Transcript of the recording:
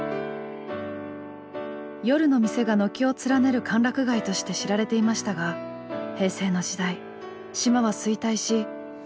夜の店が軒を連ねる歓楽街として知られていましたが平成の時代島は衰退しかつての活気はありません。